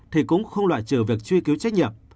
thì cũng không loại trừ việc truy cứu trách nhiệm